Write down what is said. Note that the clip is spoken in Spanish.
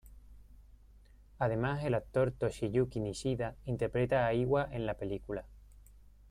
Además, el actor Toshiyuki Nishida interpreta a Iwa en la película.